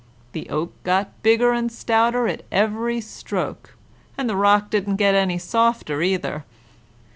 The oak got bigger and stouter at every stroke, and the rock didn't get softer, either.